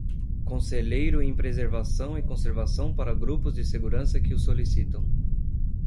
Conselheiro em preservação e conservação para grupos de segurança que o solicitam.